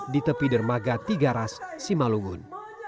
di tepi dermaga tiga ras simalungun